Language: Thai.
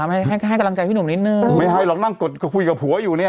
ให้ให้กำลังใจพี่หนุ่มนิดนึงไม่ให้หรอกนั่งกดคุยกับผัวอยู่เนี่ย